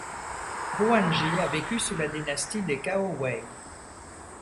Ruan Ji a vécu sous la dynastie des Cao-Wei.